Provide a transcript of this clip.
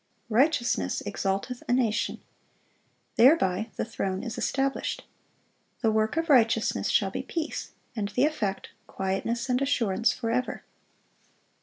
"Righteousness exalteth a nation." Thereby "the throne is established."(412) "The work of righteousness shall be peace;" and the effect "quietness and assurance forever."